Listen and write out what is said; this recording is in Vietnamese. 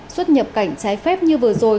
xuất nhập cảnh trái phép như vừa rồi